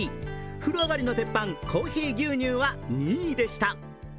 風呂上がりの定番、コーヒー牛乳は２位でした。